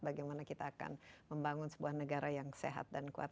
bagaimana kita akan membangun sebuah negara yang sehat dan kuat